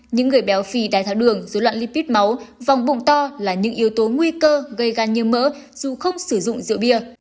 những người béo phì đai tháo đường dối loạn lipid máu vòng bụng to là những yếu tố nguy cơ gây gan như mỡ dù không sử dụng rượu bia